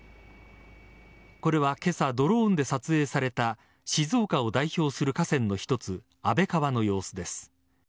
これは今朝、ドローンで撮影された静岡を代表する河川の一つ安倍川の様子です。